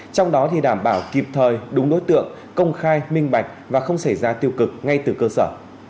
trong đó đảm bảo kịp thời đúng đối tượng công khai minh bạch và không xảy ra tiêu cực ngay từ cơ sở